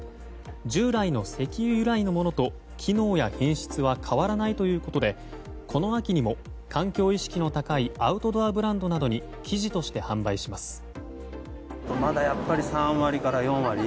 従来の石油由来のものと機能や品質は変わらないということでこの秋にも環境意識の高いアウトドアブランドなどに生地として販売します。